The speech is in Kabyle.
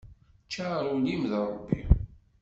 Ččar ul-im d Rebbi.